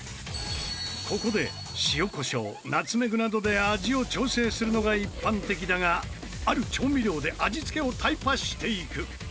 ここで塩コショウナツメグなどで味を調整するのが一般的だがある調味料で味付けをタイパしていく。